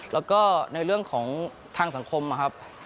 แล้วก็ในเรื่องของทางสังคมนะครับ